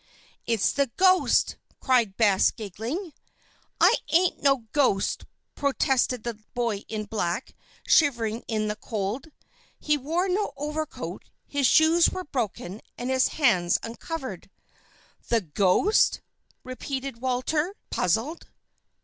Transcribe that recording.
"It's the ghost," cried Bess, giggling. "I ain't no ghost," protested the boy in black, shivering in the cold. He wore no overcoat, his shoes were broken, and his hands uncovered. "The ghost?" repeated Walter, puzzled.